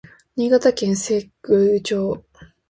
新潟県聖籠町